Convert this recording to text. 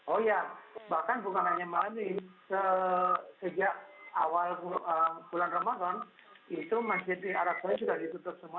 oh iya bahkan bukan hanya malam ini sejak awal bulan ramadan itu masjid di arab saudi sudah ditutup semua